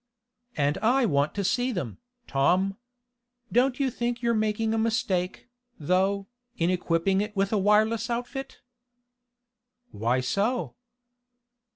"And I want to see them, Tom. Don't you think you're making a mistake, though, in equipping it with a wireless outfit?" "Why so?"